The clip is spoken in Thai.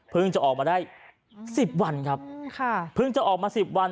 เพิ่งจะออกมาได้๑๐วันครับเพิ่งจะออกมา๑๐วัน